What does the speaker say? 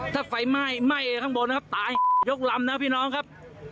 ถ้าไฟไหม้ไหม้ข้างบนนะครับตายยกลำนะพี่น้องครับ